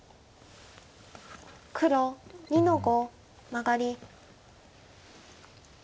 黒２の五マガリ。